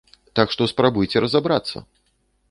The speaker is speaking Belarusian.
Так што спрабуйце разабрацца!